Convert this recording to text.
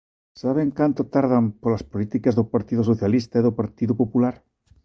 ¿Saben canto tardan, polas políticas do Partido Socialista e do Partido Popular?